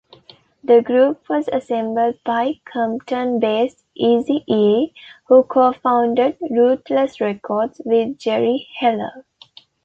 The group was assembled by Compton-based Eazy-E, who co-founded Ruthless Records with Jerry Heller.